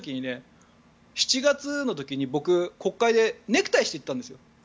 ７月の時に僕、国会でネクタイをしていったんですよ。